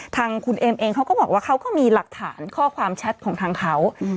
ทางคุณเอมเองเขาก็บอกว่าเขาก็มีหลักฐานข้อความแชทของทางเขา